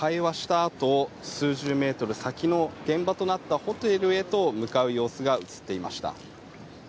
あと数十メートル先の現場となったホテルへと向かう様子が映っていました。